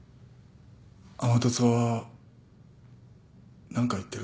天達は何か言ってるか？